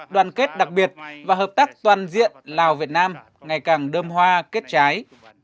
đoàn kết đặc biệt và hợp tác toàn diện lào việt nam ngày càng đơm hoa kết trái